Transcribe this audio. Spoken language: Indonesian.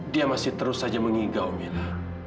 dia masih terus saja mengigau mila